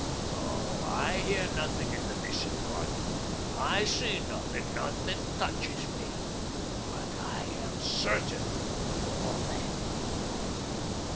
No, I hear nothing in the Mission garden. I see nothing, nothing touches me, but I am CERTAIN for all that."